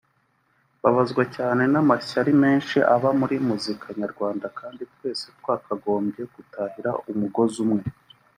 “Mbabazwa cyane n'amashyari menshi aba muri muzika nyarwanda kandi twese twakagombye gutahiriza umugozi umwe